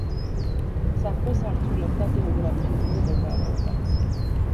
საქმეს ართულებდა გეოგრაფიული მდებარეობაც.